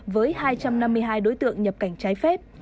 với hai trăm năm mươi hai đối tượng nhập cảnh trái phép